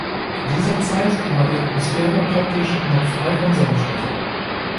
In dieser Zeit war die Atmosphäre praktisch noch frei von Sauerstoff.